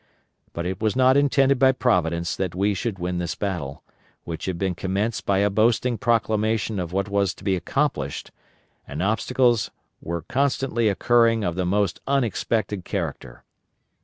But it was not intended by Providence that we should win this battle, which had been commenced by a boasting proclamation of what was to be accomplished; and obstacles were constantly occurring of the most unexpected character.